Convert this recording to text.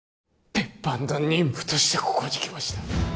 別班の任務としてここに来ました